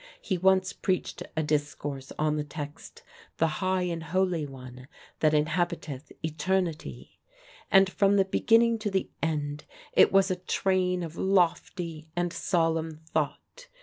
He once preached a discourse on the text, "the High and Holy One that inhabiteth eternity;" and from the beginning to the end it was a train of lofty and solemn thought.